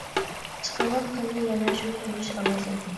چىقىۋاتقىنى يەنە شۇ تونۇش ئاۋاز ئىدى.